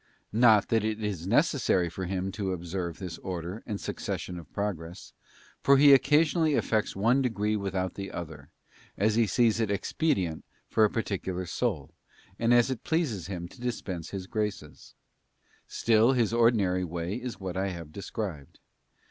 Not that it is necessary for Him to observe this order and succession of progress, for He occasionally effects one degree without the other, as he sees it expedient for a par ticular soul, and as it pleases Him to dispense His graces; still His ordinary way is what I have described.